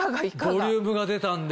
ボリュームが出たんで。